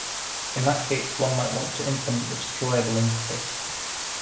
In that case, one might want to implement the Destroyable interface.